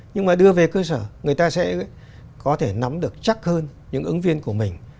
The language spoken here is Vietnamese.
nhưng mà đưa về cơ sở người ta sẽ có thể nắm được chắc hơn những ứng viên của mình